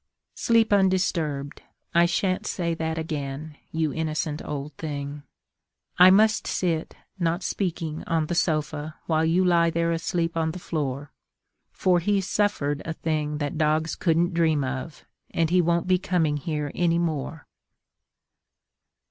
Sleep undisturbed: I shan't say that again, You innocent old thing. I must sit, not speaking, on the sofa, While you lie there asleep on the floor; For he's suffered a thing that dogs couldn't dream of, And he won't be coming here any more.